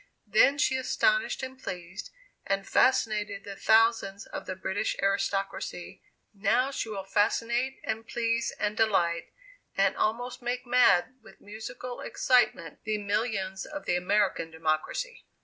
Then she astonished, and pleased, and fascinated the thousands of the British aristocracy; now she will fascinate, and please, and delight, and almost make mad with musical excitement, the millions of the American democracy.